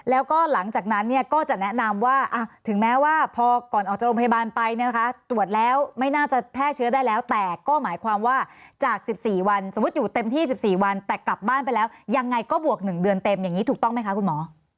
แล้วก็หลังจากนั้นเนี่ยก็จะแนะนำว่าถึงแม้ว่าพอก่อนออกจากโรงพยาบาลไปเนี่ยนะคะตรวจแล้วไม่น่าจะแพร่เชื้อได้แล้วแต่ก็หมายความว่าจาก๑๔วันสมมุติอยู่เต็มที่๑๔วันแต่กลับบ้านไปแล้วยังไงก็บวก๑เดือนเต็มอย่างนี้ถูกต้องไหมคะคุณหมอ